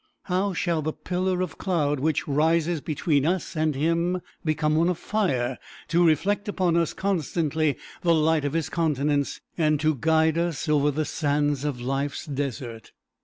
How shall the pillar of cloud which rises between us and him become one of fire, to reflect upon us constantly the light of his countenance, and to guide us over the sands of life's desert?